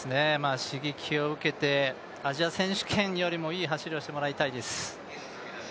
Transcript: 刺激を受けてアジア選手権よりもいい走りをしてもらいたいです。